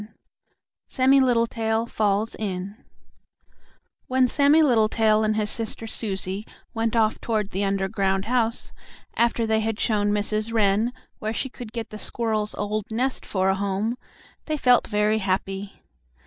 IX SAMMIE LITTLETAIL FALLS IN When Sammie Littletail and his sister Susie went off toward the underground house, after they had shown Mrs. Wren where she could get the squirrel's old nest for a home, they felt very happy.